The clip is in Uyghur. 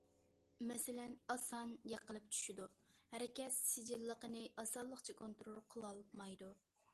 مەسىلەن: ئاسان يىقىلىپ چۈشىدۇ، ھەرىكەت سىجىللىقىنى ئاسانلىقچە كونترول قىلالمايدۇ.